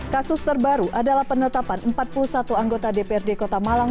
kasus terbaru adalah penetapan empat puluh satu anggota dprd kota malang